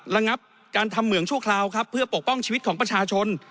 ระงับการทำเหมืองชั่วคราวครับเพื่อปกป้องชีวิตของประชาชน